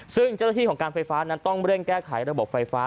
ซึ่งเจ้าหน้าที่ของการไฟฟ้านั้นต้องเร่งแก้ไขระบบไฟฟ้า